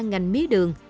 ngành mía đường